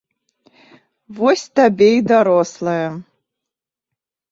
Вось табе і дарослая!